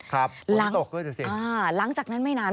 ครับโดยที่ตกด้วยถือเสียงอ่าหลังจากนั้นไม่นาน